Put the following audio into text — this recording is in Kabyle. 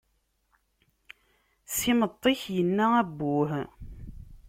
S imeṭṭi-ik yenna abbuh.